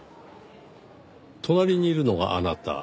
隣にいるのがあなた。